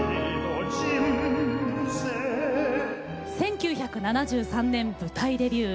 １９７３年舞台デビュー。